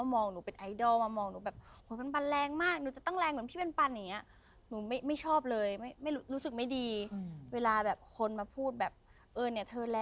มองหนูในมุมที่หนูแรงหนูมีข้าวหนูนูนเนี่ย